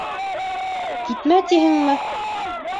Китмә, тиһеңме?